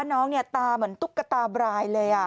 น้องเนี่ยตาเหมือนตุ๊กตาบรายเลย